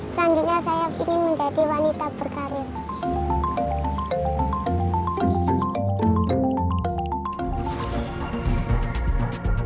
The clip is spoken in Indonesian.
selanjutnya saya ingin menjadi wanita berkarya